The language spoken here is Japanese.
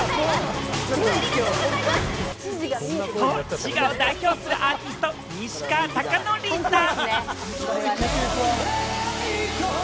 滋賀を代表するアーティスト・西川貴教さん。